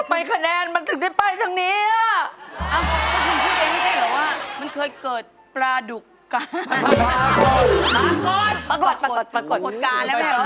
ปรากฏการณ์แล้วแม่เขาบอกว่า